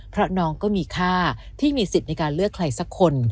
เพราะน้องก็มีค่าที่มีสิทธิ์ในการเลือกใครสักคน